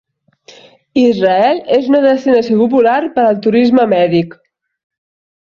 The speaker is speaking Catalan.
Israel és una destinació popular per al turisme mèdic.